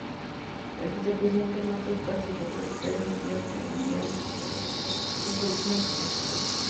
El vicepresidente Marcos Paz y el doctor Pedro Goyena vivieron y fallecieron en Flores.